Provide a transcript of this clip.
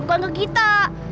bukan ke kita